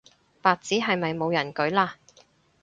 白紙係咪冇人舉嘞